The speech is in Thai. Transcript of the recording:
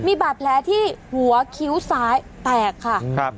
มีบาดแผลที่หัวคิ้วซ้ายแตกค่ะครับ